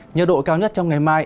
nhiệt độ cao nhất trong ngày mai